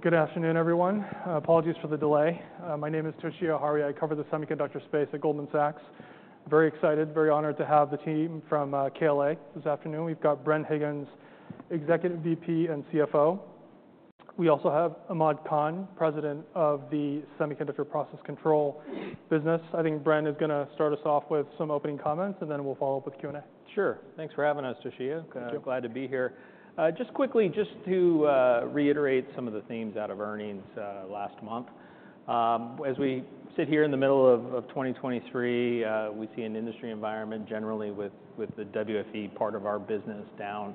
Good afternoon, everyone. Apologies for the delay. My name is Toshiya Hari, I cover the semiconductor space at Goldman Sachs. Very excited, very honored to have the team from KLA this afternoon. We've got Bren Higgins, Executive VP and CFO. We also have Ahmad Khan, President of the Semiconductor Process Control business. I think Bren is gonna start us off with some opening comments, and then we'll follow up with Q&A. Sure. Thanks for having us, Toshiya. Thank you. Glad to be here. Just quickly, just to reiterate some of the themes out of earnings last month. As we sit here in the middle of 2023, we see an industry environment generally with the WFE part of our business down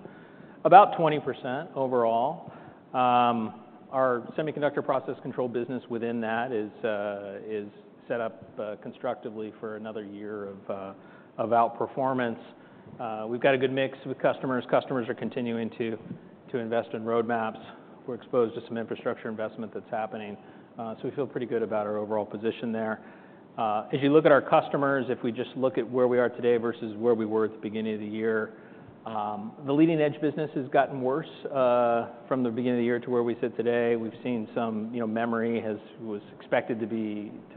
about 20% overall. Our semiconductor process control business within that is set up constructively for another year of outperformance. We've got a good mix with customers. Customers are continuing to invest in roadmaps. We're exposed to some infrastructure investment that's happening, so we feel pretty good about our overall position there. If you look at our customers, if we just look at where we are today versus where we were at the beginning of the year, the leading-edge business has gotten worse from the beginning of the year to where we sit today. We've seen some, you know, memory was expected to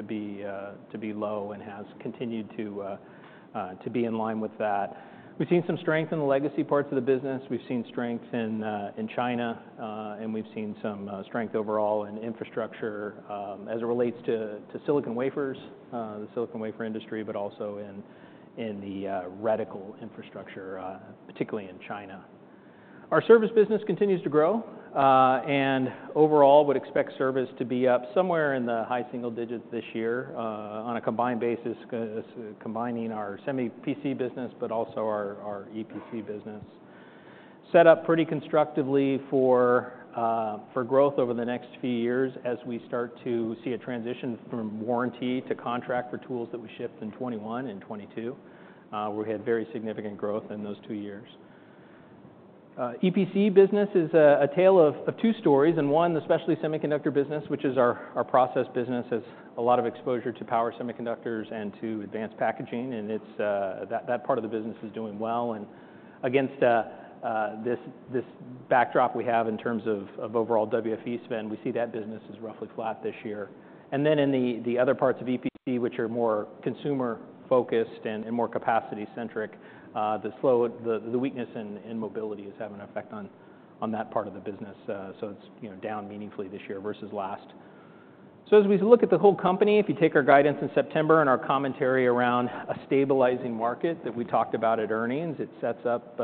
be low and has continued to be in line with that. We've seen some strength in the legacy parts of the business, we've seen strength in China, and we've seen some strength overall in infrastructure as it relates to silicon wafers, the silicon wafer industry, but also in the capital infrastructure, particularly in China. Our service business continues to grow, and overall, would expect service to be up somewhere in the high single digits this year, on a combined basis, combining our Semi PC business, but also our, our EPC business. Set up pretty constructively for, for growth over the next few years as we start to see a transition from warranty to contract for tools that we shipped in 2021 and 2022. We had very significant growth in those two years. EPC business is a, a tale of, of two stories, and one, the specialty semiconductor business, which is our, our process business, has a lot of exposure to power semiconductors and to advanced packaging, and it's... That, that part of the business is doing well. Against this backdrop we have in terms of overall WFE spend, we see that business is roughly flat this year. Then in the other parts of EPC, which are more consumer-focused and more capacity-centric, the weakness in mobility is having an effect on that part of the business, so it's, you know, down meaningfully this year versus last. So as we look at the whole company, if you take our guidance in September and our commentary around a stabilizing market that we talked about at earnings, it sets up,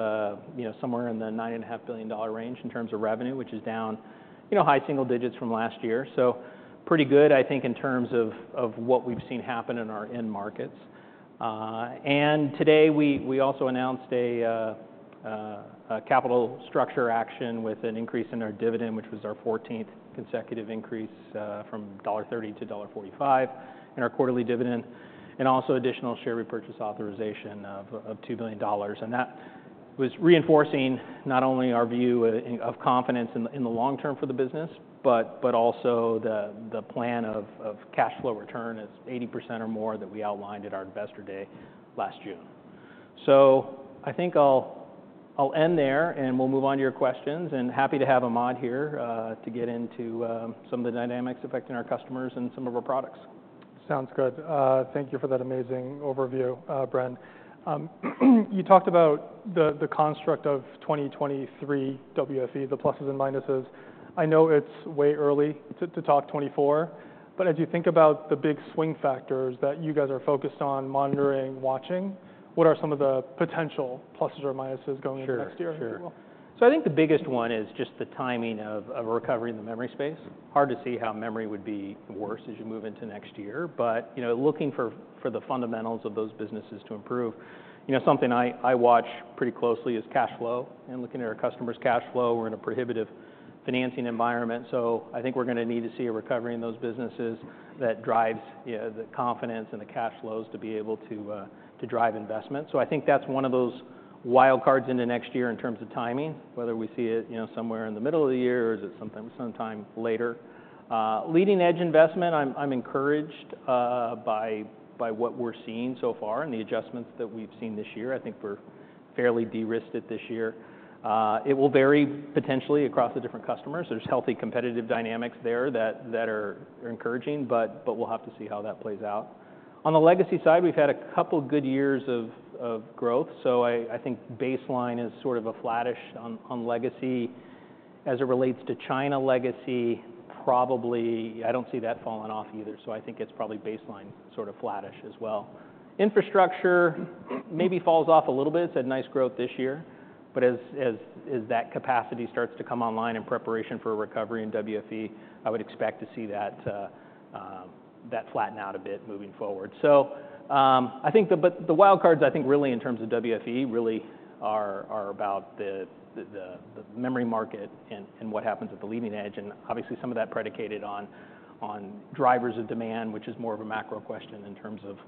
you know, somewhere in the $9.5 billion range in terms of revenue, which is down, you know, high single digits% from last year. So pretty good, I think, in terms of what we've seen happen in our end markets. And today, we also announced a capital structure action with an increase in our dividend, which was our fourteenth consecutive increase, from $0.30 to $0.45 in our quarterly dividend, and also additional share repurchase authorization of $2 billion. And that was reinforcing not only our view, you know, of confidence in the long term for the business, but also the plan of cash flow return is 80% or more that we outlined at our investor day last June. So I think I'll end there, and we'll move on to your questions, and happy to have Ahmad here to get into some of the dynamics affecting our customers and some of our products. Sounds good. Thank you for that amazing overview, Bren. You talked about the construct of 2023 WFE, the pluses and minuses. I know it's way early to talk 2024, but as you think about the big swing factors that you guys are focused on monitoring, watching, what are some of the potential pluses or minuses going into next year as well? Sure, sure. So I think the biggest one is just the timing of a recovery in the memory space. Hard to see how memory would be worse as you move into next year, but, you know, looking for the fundamentals of those businesses to improve. You know, something I watch pretty closely is cash flow and looking at our customers' cash flow. We're in a prohibitive financing environment, so I think we're gonna need to see a recovery in those businesses that drives, you know, the confidence and the cash flows to be able to, to drive investment. So I think that's one of those wild cards into next year in terms of timing, whether we see it, you know, somewhere in the middle of the year or is it sometime later. Leading-edge investment, I'm encouraged by what we're seeing so far and the adjustments that we've seen this year. I think we're fairly de-risked this year. It will vary potentially across the different customers. There's healthy competitive dynamics there that are encouraging, but we'll have to see how that plays out. On the legacy side, we've had a couple of good years of growth, so I think baseline is sort of a flattish on legacy. As it relates to China legacy, probably I don't see that falling off either, so I think it's probably baseline sort of flattish as well. Infrastructure maybe falls off a little bit. It's had nice growth this year, but as that capacity starts to come online in preparation for a recovery in WFE, I would expect to see that flatten out a bit moving forward. So, I think, but the wild cards, I think, really in terms of WFE, really are about the memory market and what happens at the leading edge, and obviously some of that predicated on drivers of demand, which is more of a macro question in terms of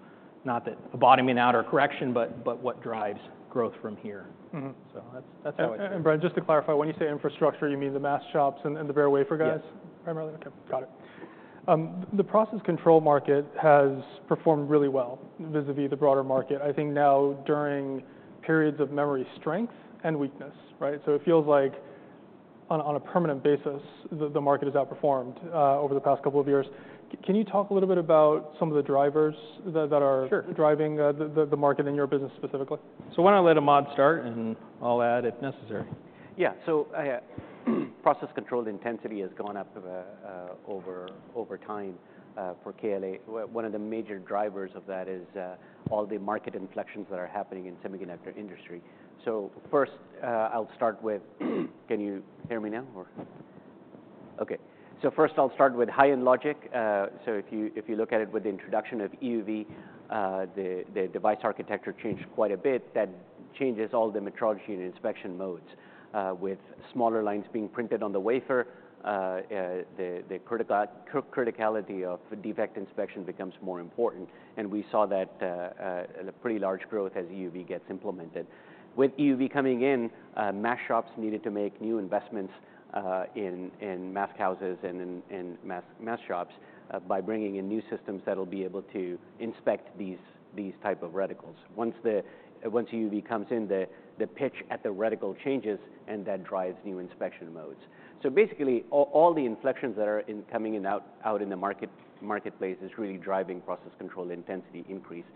not that a bottoming out or correction, but what drives growth from here. Mm-hmm. That's, that's how I see it. Bren, just to clarify, when you say infrastructure, you mean the mask shops and the bare wafer guys? Yeah. Okay. Got it. The process control market has performed really well vis-a-vis the broader market, I think now during periods of memory strength and weakness, right? So it feels like on a permanent basis, the market has outperformed over the past couple of years. Can you talk a little bit about some of the drivers that are- Sure driving the market in your business specifically? Why don't I let Ahmad start, and I'll add if necessary. Yeah. So, process control intensity has gone up over time for KLA. One of the major drivers of that is all the market inflections that are happening in semiconductor industry. So first, I'll start with-- Can you hear me now, or? Okay. So first I'll start with high-end logic. So if you look at it with the introduction of EUV, the device architecture changed quite a bit, that changes all the metrology and inspection modes. With smaller lines being printed on the wafer, the criticality of defect inspection becomes more important, and we saw that a pretty large growth as EUV gets implemented. With EUV coming in, mask shops needed to make new investments in mask houses and in mask shops by bringing in new systems that'll be able to inspect these type of reticles. Once EUV comes in, the pitch at the reticle changes, and that drives new inspection modes. So basically, all the inflections that are coming in the marketplace is really driving process control intensity increase.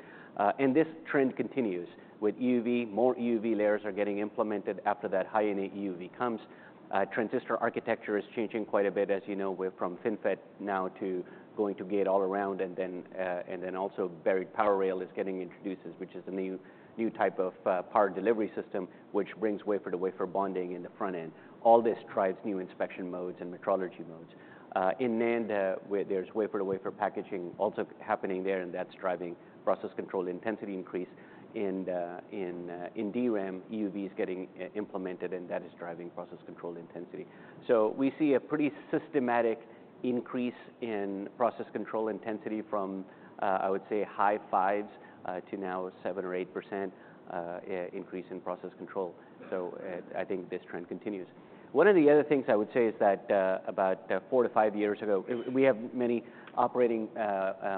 And this trend continues. With EUV, more EUV layers are getting implemented after that high-end EUV comes. Transistor architecture is changing quite a bit, as you know, from FinFET now to going to Gate-All-Around, and then also buried power rail is getting introduced, which is a new type of power delivery system, which brings wafer-to-wafer bonding in the front end. All this drives new inspection modes and metrology modes. In NAND, where there's wafer-to-wafer packaging also happening there, and that's driving process control intensity increase. In DRAM, EUV is getting implemented, and that is driving process control intensity. So we see a pretty systematic increase in process control intensity from, I would say, high 5s to now 7% or 8%, increase in process control. So, I think this trend continues. One of the other things I would say is that, about four to five years ago, we have many operating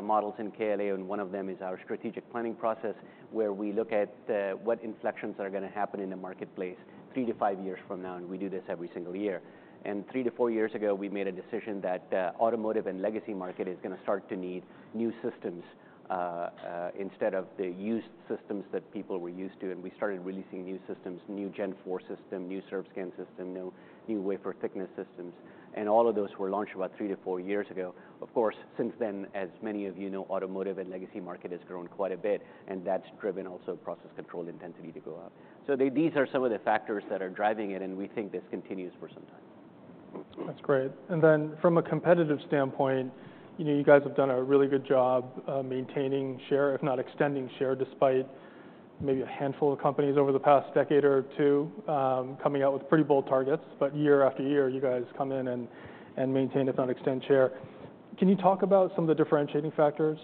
models in KLA, and one of them is our strategic planning process, where we look at what inflections are gonna happen in the marketplace three to five years from now, and we do this every single year. Three to four years ago, we made a decision that, automotive and legacy market is gonna start to need new systems, instead of the used systems that people were used to, and we started releasing new systems, new Gen 4 system, new Surfscan system, new, new wafer thickness systems, and all of those were launched about three to four years ago. Of course, since then, as many of you know, automotive and legacy market has grown quite a bit, and that's driven also process control intensity to go up. So these are some of the factors that are driving it, and we think this continues for some time. That's great. And then from a competitive standpoint, you know, you guys have done a really good job, maintaining share, if not extending share, despite maybe a handful of companies over the past decade or two, coming out with pretty bold targets. But year after year, you guys come in and maintain, if not extend, share. Can you talk about some of the differentiating factors,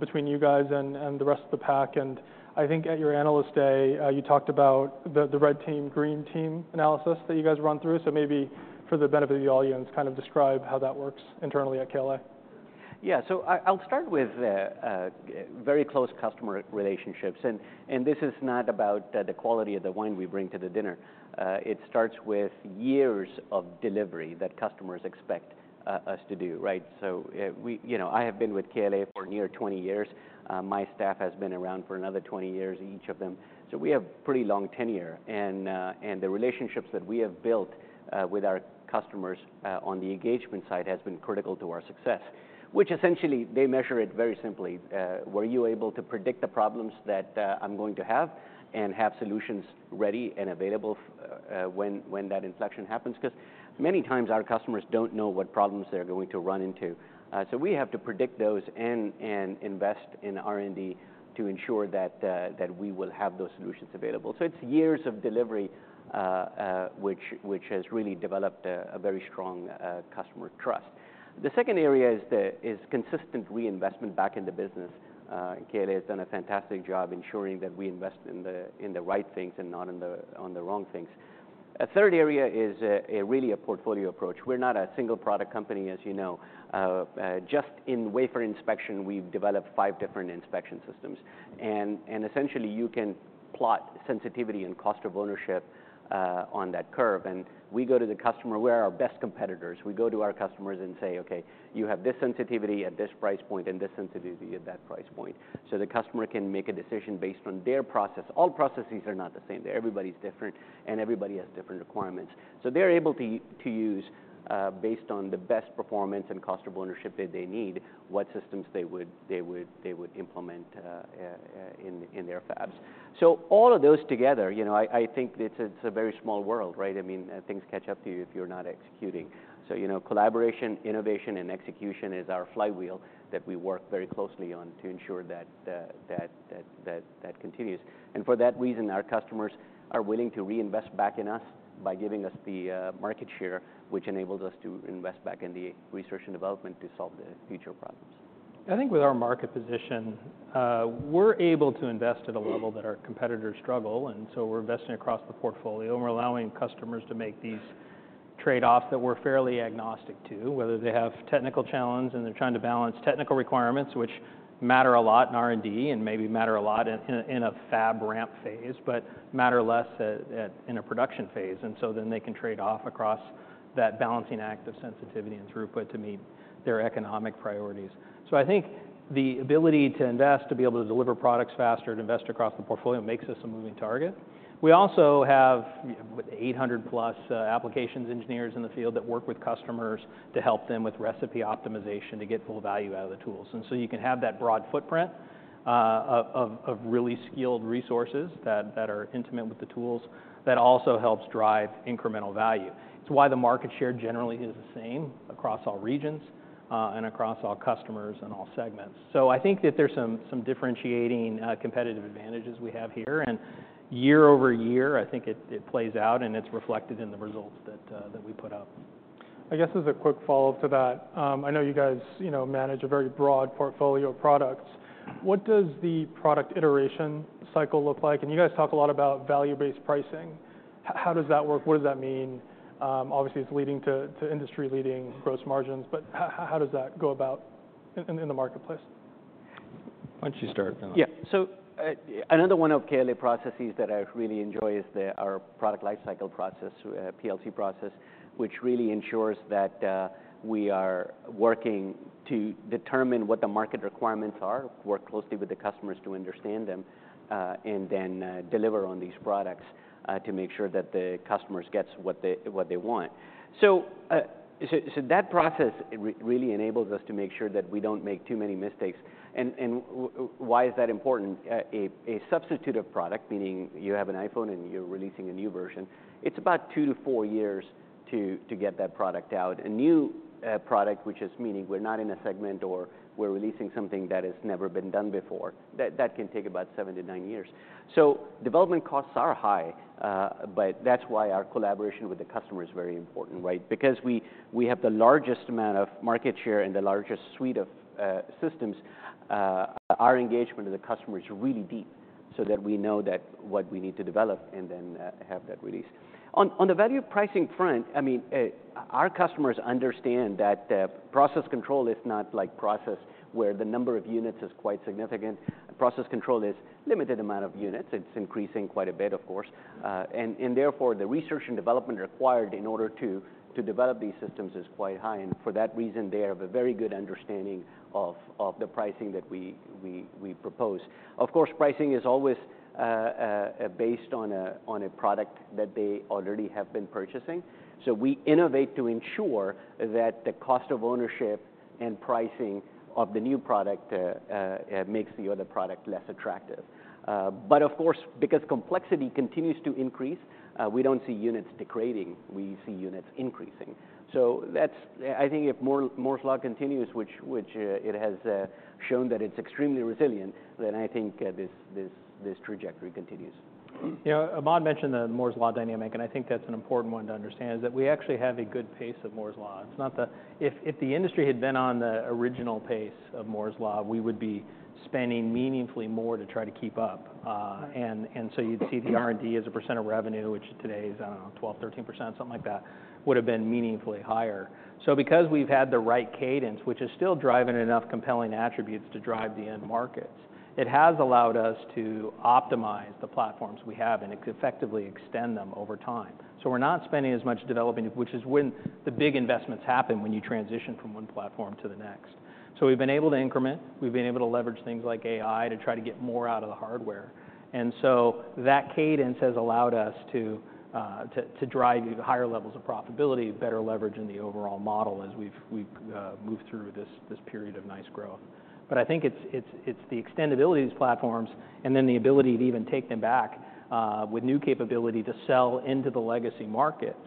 between you guys and the rest of the pack? And I think at your Analyst Day, you talked about the red team/green team analysis that you guys run through. So maybe for the benefit of the audience, kind of describe how that works internally at KLA. Yeah. So I'll start with the very close customer relationships. And this is not about the quality of the wine we bring to the dinner. It starts with years of delivery that customers expect us to do, right? So, You know, I have been with KLA for near 20 years. My staff has been around for another 20 years, each of them. So we have pretty long tenure, and the relationships that we have built with our customers on the engagement side has been critical to our success. Which essentially, they measure it very simply. Were you able to predict the problems that I'm going to have and have solutions ready and available for when that inflection happens? 'Cause many times our customers don't know what problems they're going to run into, so we have to predict those and invest in R&D to ensure that we will have those solutions available. So it's years of delivery, which has really developed a very strong customer trust. The second area is consistent reinvestment back in the business. KLA has done a fantastic job ensuring that we invest in the right things and not in the wrong things. A third area is really a portfolio approach. We're not a single product company, as you know. Just in wafer inspection, we've developed five different inspection systems. And essentially, you can plot sensitivity and cost of ownership on that curve, and we go to the customer... We're our best competitors. We go to our customers and say, "Okay, you have this sensitivity at this price point and this sensitivity at that price point." So the customer can make a decision based on their process. All processes are not the same. Everybody's different, and everybody has different requirements. So they're able to use based on the best performance and cost of ownership that they need, what systems they would implement in their fabs. So all of those together, you know, I think it's a very small world, right? I mean, things catch up to you if you're not executing. So, you know, collaboration, innovation, and execution is our flywheel that we work very closely on to ensure that continues. For that reason, our customers are willing to reinvest back in us by giving us the market share, which enables us to invest back in the research and development to solve the future problems. I think with our market position, we're able to invest at a level that our competitors struggle, and so we're investing across the portfolio, and we're allowing customers to make these trade-offs that we're fairly agnostic to, whether they have technical challenge, and they're trying to balance technical requirements, which matter a lot in R&D, and maybe matter a lot in a fab ramp phase, but matter less in a production phase. So then they can trade off across that balancing act of sensitivity and throughput to meet their economic priorities. So I think the ability to invest, to be able to deliver products faster and invest across the portfolio makes us a moving target. We also have with 800+ applications engineers in the field that work with customers to help them with recipe optimization to get full value out of the tools. And so you can have that broad footprint of really skilled resources that are intimate with the tools, that also helps drive incremental value. It's why the market share generally is the same across all regions and across all customers and all segments. So I think that there's some differentiating competitive advantages we have here, and year over year, I think it plays out, and it's reflected in the results that we put out. I guess as a quick follow-up to that, I know you guys, you know, manage a very broad portfolio of products. What does the product iteration cycle look like? And you guys talk a lot about value-based pricing. How does that work? What does that mean? Obviously, it's leading to industry-leading gross margins, but how does that go about in the marketplace? Why don't you start, Ahmad? Yeah. So, another one of KLA processes that I really enjoy is our product lifecycle process, PLC process, which really ensures that we are working to determine what the market requirements are, work closely with the customers to understand them, and then deliver on these products to make sure that the customers gets what they, what they want. So, so that process really enables us to make sure that we don't make too many mistakes. And, why is that important? A substitute of product, meaning you have an iPhone, and you're releasing a new version, it's about two to four years to get that product out. A new product, which is meaning we're not in a segment or we're releasing something that has never been done before, that can take about seven to nine years. So development costs are high, but that's why our collaboration with the customer is very important, right? Because we have the largest amount of market share and the largest suite of systems, our engagement with the customer is really deep so that we know that what we need to develop and then have that released. On the value pricing front, I mean, our customers understand that process control is not like process where the number of units is quite significant. Process control is limited amount of units. It's increasing quite a bit, of course, and therefore, the research and development required in order to develop these systems is quite high, and for that reason, they have a very good understanding of the pricing that we propose. Of course, pricing is always based on a product that they already have been purchasing. So we innovate to ensure that the cost of ownership and pricing of the new product makes the other product less attractive. But of course, because complexity continues to increase, we don't see units degrading; we see units increasing. So that's... I think if Moore's Law continues, which it has shown that it's extremely resilient, then I think this trajectory continues. You know, Ahmad mentioned the Moore's Law dynamic, and I think that's an important one to understand, is that we actually have a good pace of Moore's Law. It's not that—if the industry had been on the original pace of Moore's Law, we would be spending meaningfully more to try to keep up. And so you'd see the R&D as a percent of revenue, which today is 12%-13%, something like that, would have been meaningfully higher. So because we've had the right cadence, which is still driving enough compelling attributes to drive the end markets, it has allowed us to optimize the platforms we have, and effectively extend them over time. So we're not spending as much development, which is when the big investments happen, when you transition from one platform to the next. So we've been able to increment, we've been able to leverage things like AI to try to get more out of the hardware. And so that cadence has allowed us to drive higher levels of profitability, better leverage in the overall model as we've moved through this period of nice growth. But I think it's the extendability of these platforms and then the ability to even take them back with new capability to sell into the legacy markets.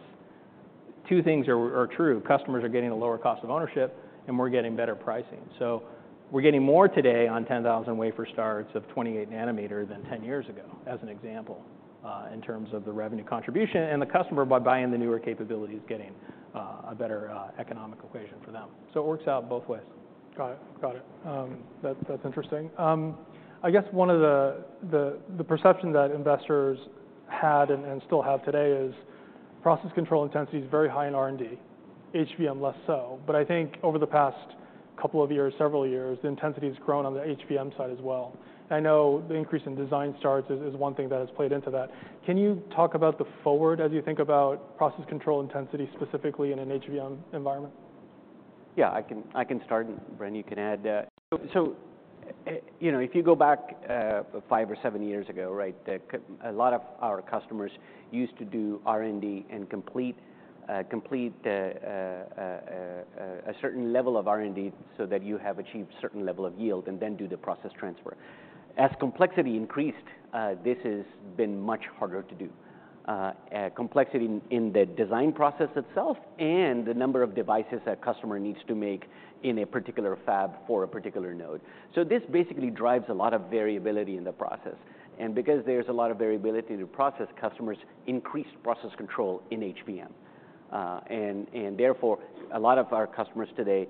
Two things are true: customers are getting a lower cost of ownership, and we're getting better pricing. So we're getting more today on 10,000 wafer starts of 28 nm than 10 years ago, as an example, in terms of the revenue contribution, and the customer, by buying the newer capability, is getting a better economic equation for them. It works out both ways. Got it. Got it. That, that's interesting. I guess one of the perception that investors had and still have today is process control intensity is very high in R&D, HVM less so. But I think over the past couple of years, several years, the intensity has grown on the HVM side as well. I know the increase in design starts is one thing that has played into that. Can you talk about the forward as you think about process control intensity, specifically in an HVM environment? Yeah, I can, I can start, and, Bren, you can add. So, you know, if you go back, five or seven years ago, right? A lot of our customers used to do R&D and complete a certain level of R&D so that you have achieved certain level of yield and then do the process transfer. As complexity increased, this has been much harder to do. Complexity in the design process itself and the number of devices that customer needs to make in a particular fab for a particular node. So this basically drives a lot of variability in the process, and because there's a lot of variability to process, customers increase process control in HVM. and therefore, a lot of our customers today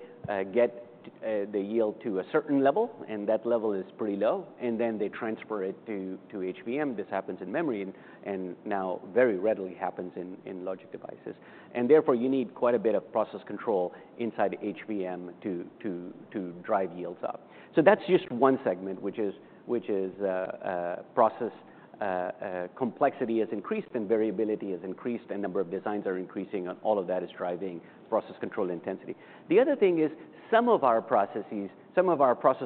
get the yield to a certain level, and that level is pretty low, and then they transfer it to HVM. This happens in memory and now very readily happens in logic devices. And therefore, you need quite a bit of process control inside HVM to drive yields up. So that's just one segment, which is process complexity has increased and variability has increased, and number of designs are increasing, and all of that is driving process control intensity. The other thing is some of our process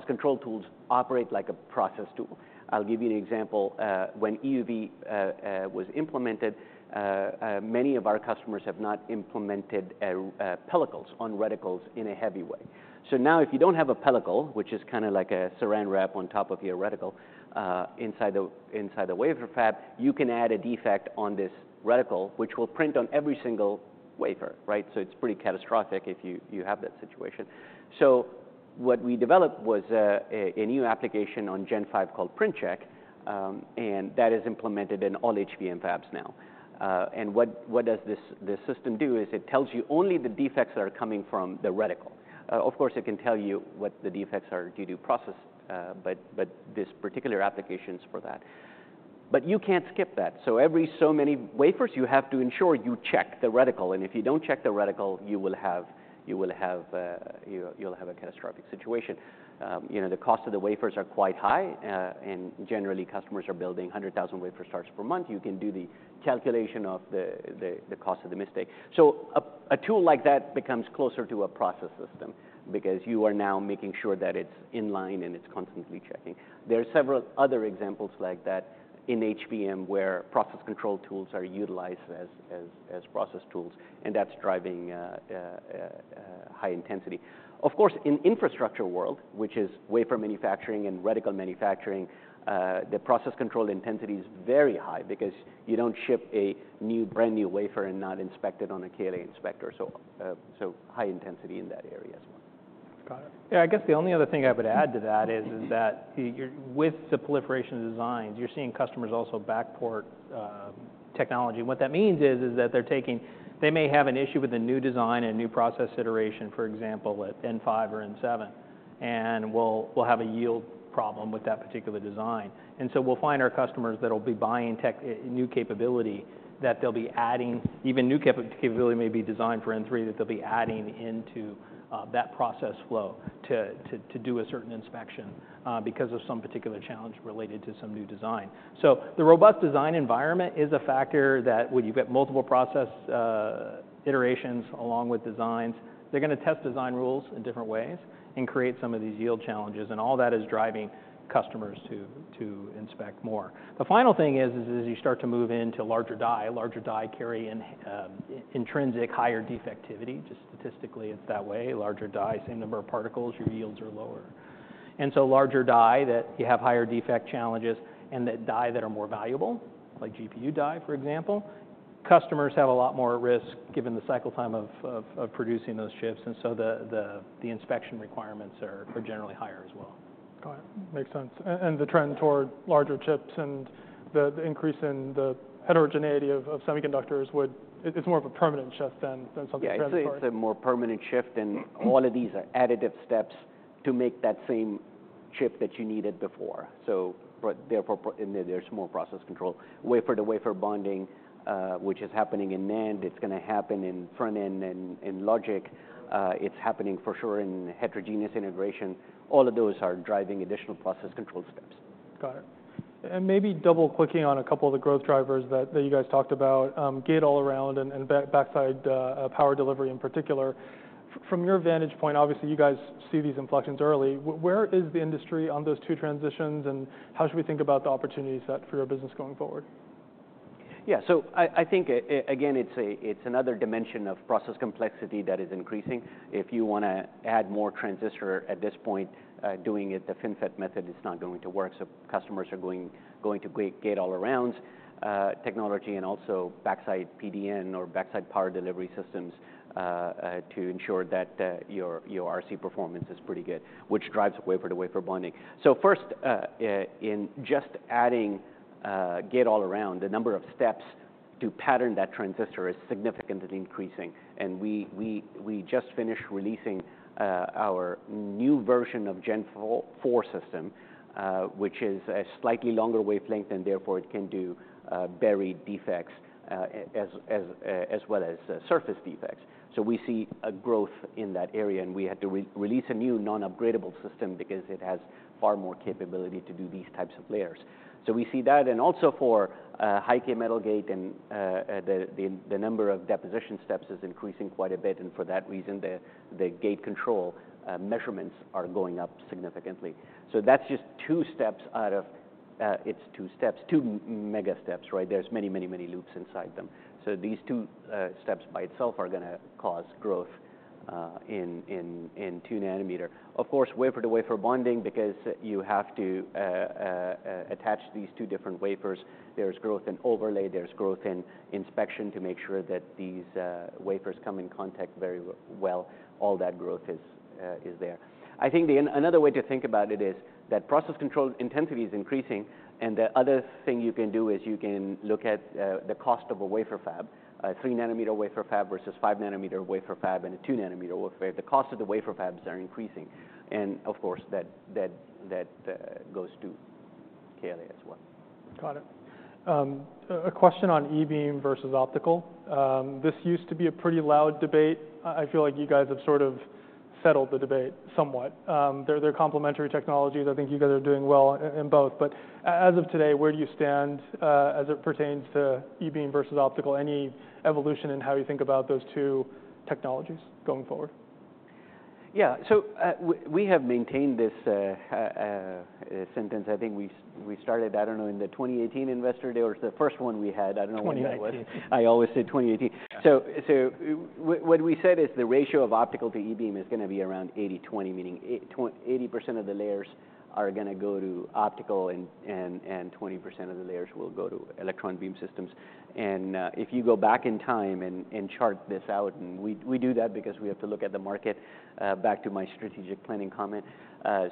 control tools operate like a process tool. I'll give you an example. When EUV was implemented, many of our customers have not implemented pellicles on reticles in a heavy way. So now, if you don't have a pellicle, which is kinda like a Saran Wrap on top of your reticle, inside the wafer fab, you can add a defect on this reticle, which will print on every single wafer, right? So it's pretty catastrophic if you have that situation. So what we developed was a new application on Gen 5 called Print Check, and that is implemented in all HVM fabs now. And what does this system do is it tells you only the defects that are coming from the reticle. Of course, it can tell you what the defects are due to process, but there's particular applications for that. But you can't skip that. So every so many wafers, you have to ensure you check the reticle, and if you don't check the reticle, you will have, you will have, you, you'll have a catastrophic situation. You know, the cost of the wafers are quite high, and generally, customers are building 100,000 wafer starts per month. You can do the calculation of the, the, the cost of the mistake. So a, a tool like that becomes closer to a process system because you are now making sure that it's in line and it's constantly checking. There are several other examples like that in HVM, where process control tools are utilized as, as, as process tools, and that's driving, uh, uh, uh, high intensity. Of course, in infrastructure world, which is wafer manufacturing and reticle manufacturing, the process control intensity is very high because you don't ship a new, brand-new wafer and not inspect it on a KLA inspector, so, so high intensity in that area as well. Got it. Yeah, I guess the only other thing I would add to that is that with the proliferation of designs, you're seeing customers also backport technology. What that means is that they're taking they may have an issue with a new design and a new process iteration, for example, at N5 or N7, and we'll have a yield problem with that particular design. And so we'll find our customers that'll be buying tech new capability, that they'll be adding. Even new capability may be designed for N3, that they'll be adding into that process flow to do a certain inspection because of some particular challenge related to some new design. So the robust design environment is a factor that when you've got multiple process iterations along with designs, they're gonna test design rules in different ways and create some of these yield challenges, and all that is driving customers to inspect more. The final thing is as you start to move into larger die, larger die carry in intrinsic higher defectivity. Just statistically, it's that way. Larger die, same number of particles, your yields are lower. And so larger die, that you have higher defect challenges, and that die that are more valuable, like GPU die, for example, customers have a lot more at risk given the cycle time of producing those chips, and so the inspection requirements are generally higher as well. Got it. Makes sense. And the trend toward larger chips and the increase in the heterogeneity of semiconductors would... It is more of a permanent shift than something transitory. Yeah, it's a more permanent shift, and all of these are additive steps to make that same chip that you needed before. So but therefore, and there's more process control. Wafer-to-wafer bonding, which is happening in NAND, it's gonna happen in front-end and in logic. It's happening for sure in heterogeneous integration. All of those are driving additional process control steps. Got it. And maybe double-clicking on a couple of the growth drivers that you guys talked about, Gate-All-Around and backside power delivery in particular. From your vantage point, obviously, you guys see these inflections early. Where is the industry on those two transitions, and how should we think about the opportunities for your business going forward? Yeah. So I think again, it's another dimension of process complexity that is increasing. If you wanna add more transistor at this point, doing it the FinFET method is not going to work, so customers are going to Gate-All-Around technology, and also Backside PDN or backside power delivery systems to ensure that your RC performance is pretty good, which drives Wafer-to-Wafer Bonding. So first, in just adding Gate-All-Around, the number of steps to pattern that transistor is significantly increasing, and we just finished releasing our new version of Gen 4 system, which is a slightly longer wavelength, and therefore, it can do buried defects as well as surface defects. So we see a growth in that area, and we had to re-release a new non-upgradable system because it has far more capability to do these types of layers. So we see that, and also for High-K Metal Gate and the number of deposition steps is increasing quite a bit, and for that reason, the Gate Control measurements are going up significantly. So that's just two steps out of it's two steps, two mega steps, right? There's many, many, many loops inside them. So these two steps by itself are gonna cause growth in 2 nm. Of course, wafer-to-wafer bonding, because you have to attach these two different wafers, there's growth in overlay, there's growth in inspection to make sure that these wafers come in contact very well. All that growth is there. I think another way to think about it is that Process Control Intensity is increasing, and the other thing you can do is you can look at the cost of a wafer fab. A 3-nm wafer fab versus 5-nm wafer fab and a 2-nm wafer. The cost of the wafer fabs are increasing, and of course, that goes to KLA as well. Got it. A question on e-beam versus optical. This used to be a pretty loud debate. I feel like you guys have sort of settled the debate somewhat. They're complementary technologies. I think you guys are doing well in both, but as of today, where do you stand as it pertains to e-beam versus optical? Any evolution in how you think about those two technologies going forward? Yeah. So, we have maintained this sentence. I think we started, I don't know, in the 2018 Investor Day, or it was the first one we had, I don't know when that was. 2018. I always say 2018. Yeah. So, what we said is the ratio of optical to e-beam is gonna be around 80/20, meaning 80% of the layers are gonna go to optical, and 20% of the layers will go to electron beam systems. And, if you go back in time and chart this out, we do that because we have to look at the market, back to my strategic planning comment.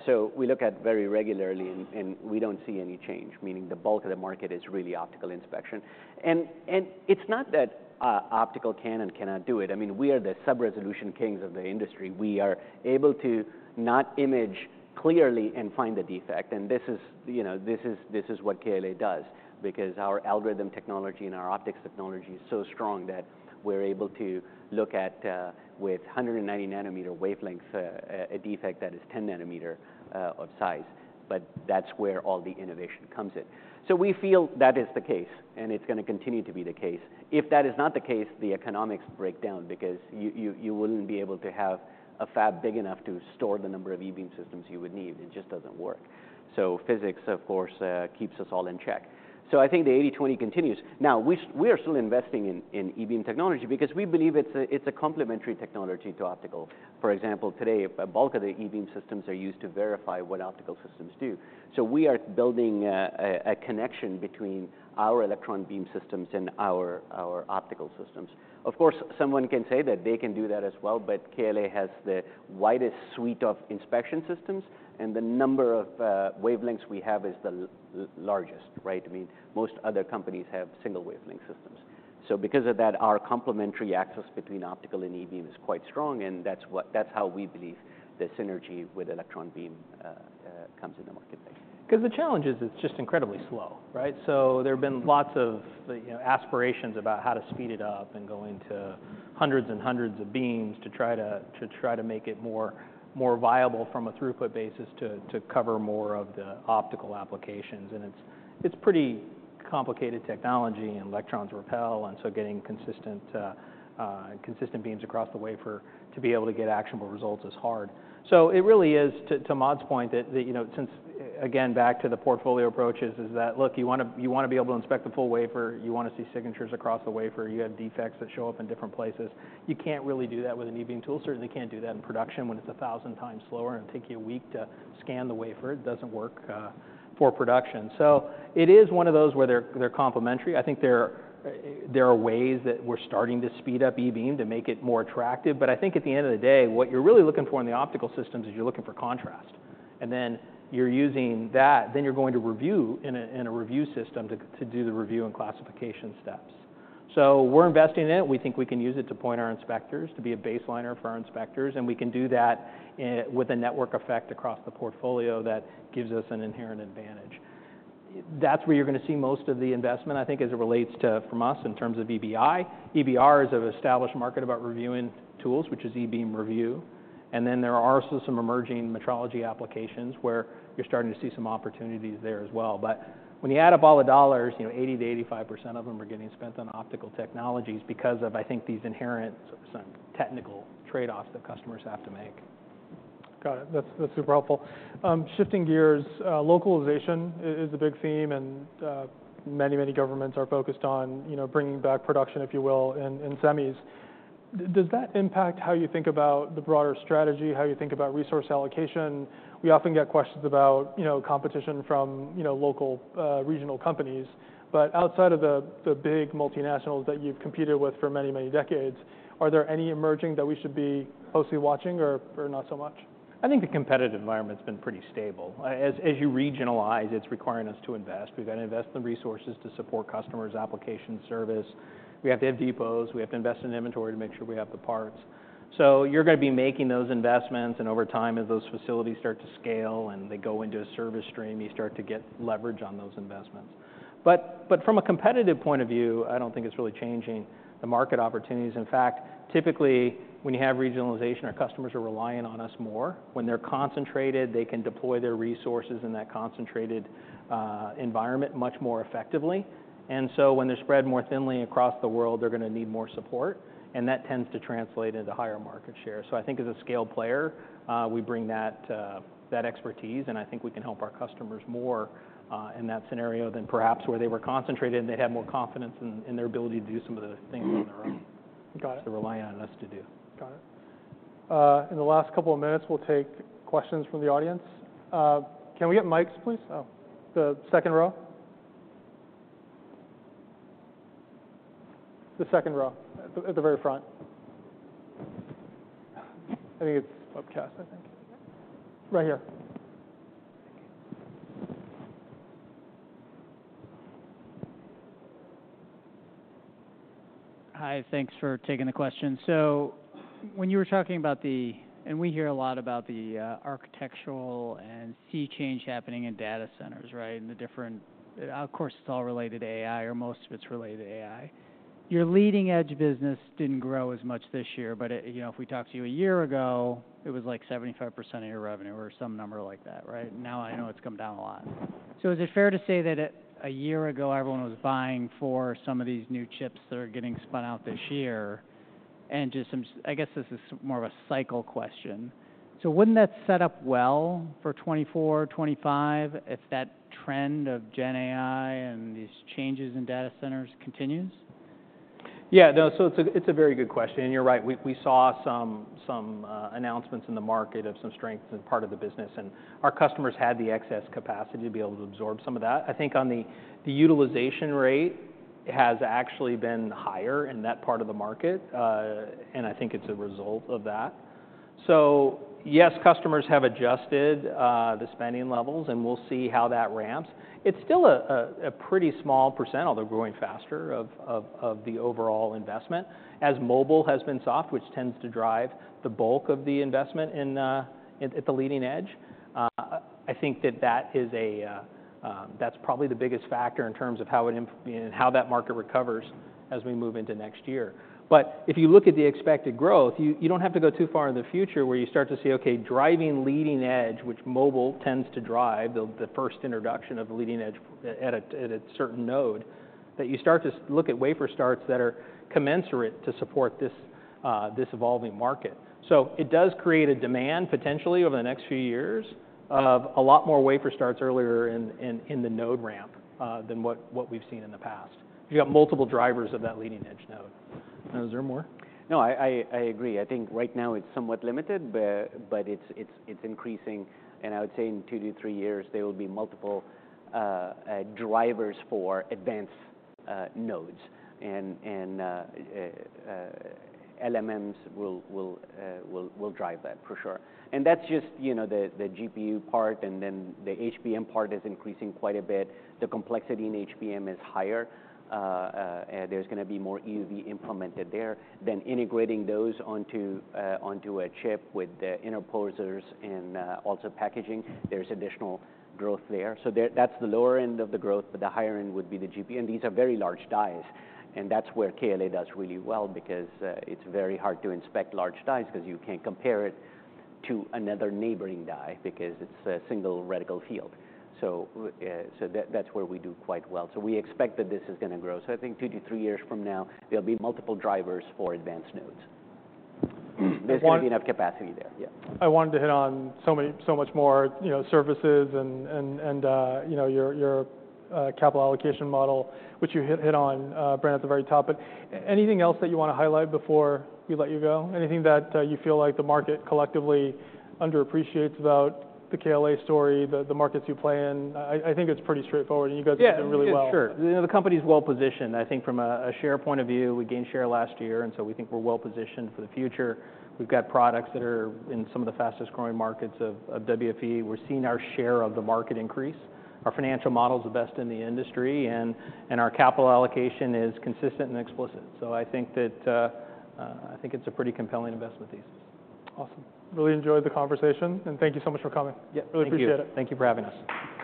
So we look at it very regularly, and we don't see any change, meaning the bulk of the market is really optical inspection. And it's not that optical can and cannot do it. I mean, we are the sub-resolution kings of the industry. We are able to not image clearly and find the defect, and this is, you know, this is, this is what KLA does, because our algorithm technology and our optics technology is so strong that we're able to look at, with 190 nm wavelength, a, a defect that is 10 nanometer, of size, but that's where all the innovation comes in. So we feel that is the case, and it's gonna continue to be the case. If that is not the case, the economics break down because you, you, you wouldn't be able to have a fab big enough to store the number of e-beam systems you would need. It just doesn't work. So physics, of course, keeps us all in check. So I think the 80/20 continues. Now, we are still investing in e-beam technology because we believe it's a complementary technology to optical. For example, today, a bulk of the e-beam systems are used to verify what optical systems do. So we are building a connection between our electron beam systems and our optical systems. Of course, someone can say that they can do that as well, but KLA has the widest suite of inspection systems, and the number of wavelengths we have is the largest, right? I mean, most other companies have single wavelength systems. So because of that, our complementary access between optical and e-beam is quite strong, and that's what, that's how we believe the synergy with electron beam comes in the marketplace. 'Cause the challenge is, it's just incredibly slow, right? So there have been lots of, you know, aspirations about how to speed it up and go into hundreds and hundreds of beams to try to, to try to make it more, more viable from a throughput basis to, to cover more of the optical applications, and it's, it's pretty complicated technology, and electrons repel, and so getting consistent, consistent beams across the wafer to be able to get actionable results is hard. So it really is, to, to Ahmad's point, that, that, you know, since, again, back to the portfolio approaches, is that, look, you wanna, you wanna be able to inspect the full wafer, you wanna see signatures across the wafer, you have defects that show up in different places. You can't really do that with an e-beam tool. Certainly can't do that in production when it's 1,000x slower and take you a week to scan the wafer. It doesn't work for production. So it is one of those where they're complementary. I think there are ways that we're starting to speed up e-beam to make it more attractive, but I think at the end of the day, what you're really looking for in the optical systems is you're looking for contrast. And then you're using that, then you're going to review in a review system to do the review and classification steps. So we're investing in it. We think we can use it to point our inspectors, to be a baseliner for our inspectors, and we can do that with a network effect across the portfolio that gives us an inherent advantage. That's where you're gonna see most of the investment, I think, as it relates to from us in terms of EBI. EBR is an established market about reviewing tools, which is e-beam review, and then there are also some emerging metrology applications, where you're starting to see some opportunities there as well. But when you add up all the dollars, you know, 80%-85% of them are getting spent on optical technologies because of, I think, these inherent sort of some technical trade-offs that customers have to make. Got it. That's, that's super helpful. Shifting gears, localization is a big theme, and many, many governments are focused on, you know, bringing back production, if you will, in semis. Does that impact how you think about the broader strategy, how you think about resource allocation? We often get questions about, you know, competition from, you know, local, regional companies, but outside of the big multinationals that you've competed with for many, many decades, are there any emerging that we should be closely watching or not so much? I think the competitive environment's been pretty stable. As you regionalize, it's requiring us to invest. We've got to invest the resources to support customers, application, service. We have to have depots, we have to invest in inventory to make sure we have the parts. So you're gonna be making those investments, and over time, as those facilities start to scale and they go into a service stream, you start to get leverage on those investments. But from a competitive point of view, I don't think it's really changing the market opportunities. In fact, typically, when you have regionalization, our customers are relying on us more. When they're concentrated, they can deploy their resources in that concentrated environment much more effectively. And so when they're spread more thinly across the world, they're gonna need more support, and that tends to translate into higher market share. So I think as a scale player, we bring that, that expertise, and I think we can help our customers more, in that scenario than perhaps where they were concentrated, and they had more confidence in, in their ability to do some of the things on their own- Got it... so relying on us to do. Got it. In the last couple of minutes, we'll take questions from the audience. Can we get mics, please? Oh, the second row. The second row, at the very front. I think it's webcast. Right here.... Hi, thanks for taking the question. So when you were talking about the and we hear a lot about the, architectural and sea change happening in data centers, right? And the different, of course, it's all related to AI, or most of it's related to AI. Your leading-edge business didn't grow as much this year, but it, you know, if we talked to you a year ago, it was like 75% of your revenue or some number like that, right? Now I know it's come down a lot. So is it fair to say that a, a year ago, everyone was buying for some of these new chips that are getting spun out this year? Just some, I guess, this is more of a cycle question: so wouldn't that set up well for 2024, 2025, if that trend of gen AI and these changes in data centers continues? Yeah, no, so it's a very good question, and you're right. We saw some announcements in the market of some strength in part of the business, and our customers had the excess capacity to be able to absorb some of that. I think on the utilization rate, it has actually been higher in that part of the market, and I think it's a result of that. So yes, customers have adjusted the spending levels, and we'll see how that ramps. It's still a pretty small percent, although growing faster, of the overall investment, as mobile has been soft, which tends to drive the bulk of the investment in at the leading edge. I think that that is a, that's probably the biggest factor in terms of how it you know, how that market recovers as we move into next year. But if you look at the expected growth, you don't have to go too far in the future where you start to see, okay, driving leading edge, which mobile tends to drive the first introduction of leading edge at a certain node, that you start to look at wafer starts that are commensurate to support this this evolving market. So it does create a demand, potentially, over the next few years, of a lot more wafer starts earlier in the node ramp than what we've seen in the past. You have multiple drivers of that leading-edge node. Is there more? No, I agree. I think right now it's somewhat limited, but it's increasing, and I would say in two to three years, there will be multiple drivers for advanced nodes. And LLMs will drive that for sure. And that's just, you know, the GPU part, and then the HBM part is increasing quite a bit. The complexity in HBM is higher, and there's gonna be more EUV implemented there. Then integrating those onto a chip with the interposers and also packaging, there's additional growth there. So there, that's the lower end of the growth, but the higher end would be the GPU, and these are very large dies. And that's where KLA does really well because, it's very hard to inspect large dies 'cause you can't compare it to another neighboring die, because it's a single reticle field. So, so that, that's where we do quite well. So we expect that this is gonna grow. So I think two to three years from now, there'll be multiple drivers for advanced nodes. There's going to be enough capacity there. Yeah. I wanted to hit on so many, so much more, you know, services and, you know, your, your, capital allocation model, which you hit on, Bren, at the very top. But anything else that you wanna highlight before we let you go? Anything that, you feel like the market collectively underappreciates about the KLA story, the markets you play in? I think it's pretty straightforward, and you guys have done really well. Yeah, sure. You know, the company's well-positioned. I think from a share point of view, we gained share last year, and so we think we're well-positioned for the future. We've got products that are in some of the fastest-growing markets of WFE. We're seeing our share of the market increase. Our financial model's the best in the industry, and our capital allocation is consistent and explicit. So I think that I think it's a pretty compelling investment thesis. Awesome. Really enjoyed the conversation, and thank you so much for coming. Yeah. Thank you. Really appreciate it. Thank you for having us.